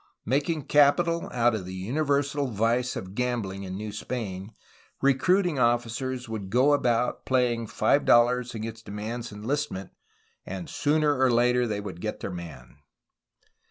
Making capital out of the universal vice of gambhng in New Spain, recruiting officers would go about playing five dollars against a man's enlistment, and sooner or later they would get their man.